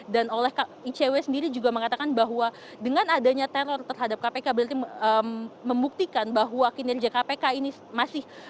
dan oleh cw sendiri juga mengatakan bahwa dengan adanya teror terhadap kpk berarti membuktikan bahwa kinerja kpk ini masih